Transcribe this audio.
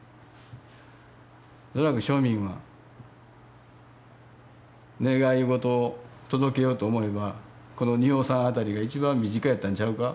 恐らく庶民は願い事を届けようと思えばこの仁王さんあたりが一番身近やったんちゃうか？